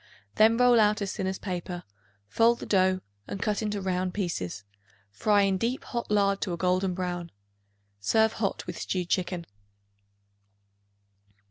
Then roll out as thin as paper; fold the dough and cut into round pieces; fry in deep hot lard to a golden brown. Serve hot with stewed chicken.